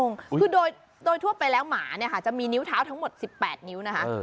คือโดยทั่วไปแล้วหมาเนี่ยค่ะจะมีนิ้วเท้าทั้งหมด๑๘นิ้วนะคะ